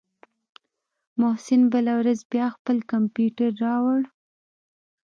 محسن بله ورځ بيا خپل کمپيوټر راوړ.